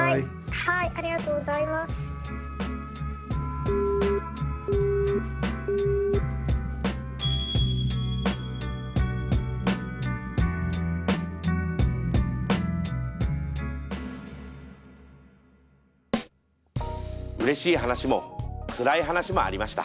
はいありがとうございうれしい話もつらい話もありました。